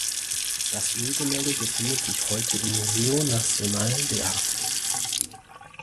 Das Ölgemälde befindet sich heute im Museo Nacional de Arte.